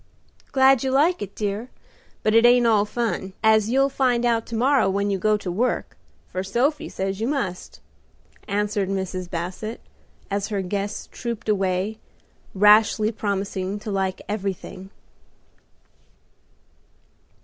"Glad you like it, dear. But it ain't all fun, as you'll find out to morrow when you go to work, for Sophie says you must," answered Mrs. Basset, as her guests trooped away, rashly promising to like everything.